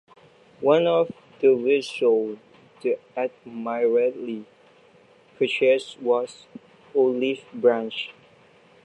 One of the vessels the Admiralty purchased was "Olive Branch".